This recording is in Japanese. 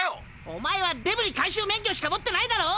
おまえはデブリ回収免許しか持ってないだろ！